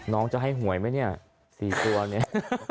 น้องจะให้หวยไหมเนี่ย๔ตัวเนี่ย